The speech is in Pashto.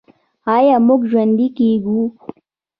آیا موږ ژوندي کیږو؟